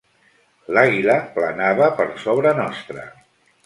L'àguila planava per sobre nostre.